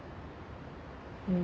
うん。